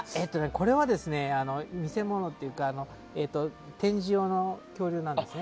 これは見世物というか展示用の恐竜なんですね。